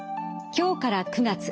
今日から９月。